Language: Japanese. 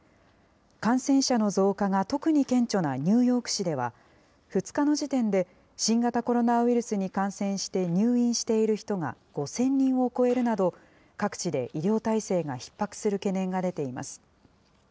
感染者の増加が特に顕著なニューヨーク市では、２日の時点で、新型コロナウイルスに感染して入院している人が５０００人を超えるなど、各地で医療体制がひっ迫する懸念が出ています。